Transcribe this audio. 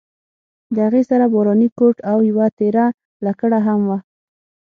د هغې سره باراني کوټ او یوه تېره لکړه هم وه.